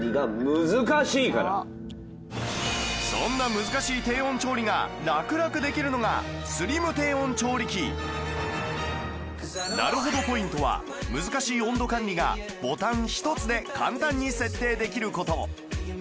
そんな難しい低温調理が楽々できるのがなるほどポイントは難しい温度管理がボタン１つで簡単に設定できる事